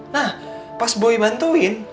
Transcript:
nah pas boy bantuin